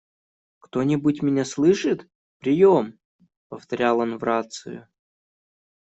«Кто-нибудь меня слышит? Приём!», - повторял он в рацию.